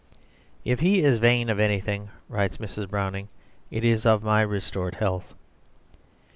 "If he is vain of anything," writes Mrs. Browning, "it is of my restored health."